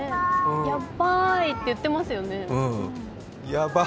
「やっばーい」って言ってますよね。